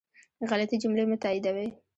غلطي جملې مه تائیدوئ